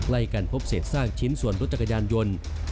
ไล่กันพบเสร็จสร้างชิ้นส่วนรถจักรยานยนต์